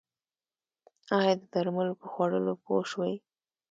ایا د درملو په خوړلو پوه شوئ؟